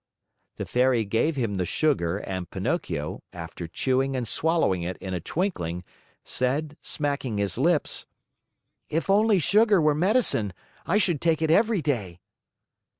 The Fairy gave him the sugar and Pinocchio, after chewing and swallowing it in a twinkling, said, smacking his lips: "If only sugar were medicine! I should take it every day."